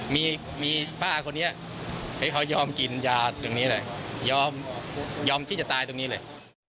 มีป้าคนนี้ให้เขายอมกินยาตรงนี้เลยยอมที่จะตายตรงนี้เลย